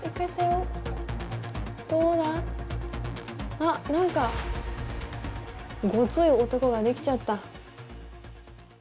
あっ何かゴツイ男ができちゃった。